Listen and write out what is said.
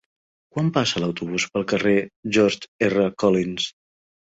Quan passa l'autobús pel carrer George R. Collins?